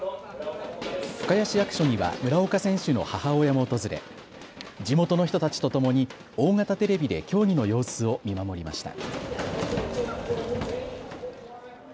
深谷市役所には村岡選手の母親も訪れ地元の人たちとともに大型テレビで競技の様子を見守りました。